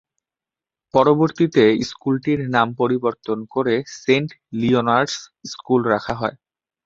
পরবর্তীতে স্কুলটির নাম পরিবর্তন করে সেন্ট লিওনার্ডস স্কুল রাখা হয়।